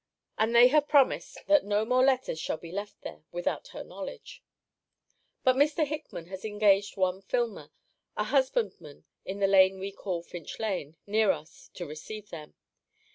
And they have promised, that no more letters shall be left there, without her knowledge. But Mr. Hickman has engaged one Filmer, a husbandman in the lane we call Finch lane, near us, to receive them.